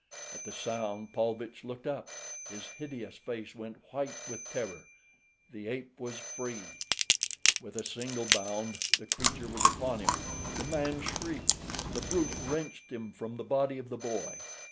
At the sound Paulvitch looked up. His hideous face went white with terror—the ape was free. With a single bound the creature was upon him. The man shrieked. The brute wrenched him from the body of the boy.